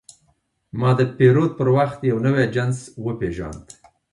ما د پیرود پر وخت یو نوی جنس وپېژاند.